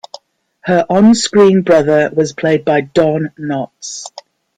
Her on-screen brother was played by Don Knotts.